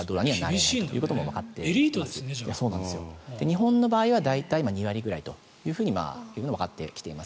日本の場合は大体２割ぐらいというのがわかってきています。